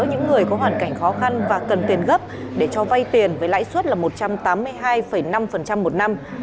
những người có hoàn cảnh khó khăn và cần tiền gấp để cho vay tiền với lãi suất là một trăm tám mươi hai năm một năm